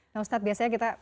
nah ustadz biasanya kita